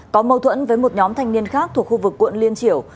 có mâu thuẫn với một nhóm thanh niên khác thuộc khu vực quận liên triểu